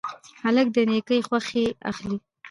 هلک له نیکۍ خوښي اخلي.